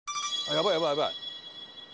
やばいやばいやばい。